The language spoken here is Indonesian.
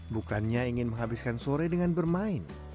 bukannya ingin menghabiskan sore dengan bermain